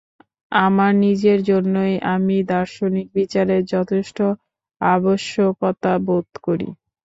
আমার নিজের জন্যই আমি দার্শনিক বিচারের যথেষ্ট আবশ্যকতা বোধ করি।